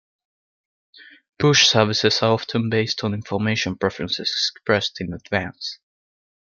Push services are often based on information preferences expressed in advance.